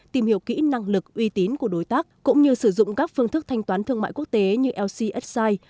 tìm hiểu kỹ năng lực uy tín của đối tác cũng như sử dụng các phương thức thanh toán thương mại quốc tế như lcsi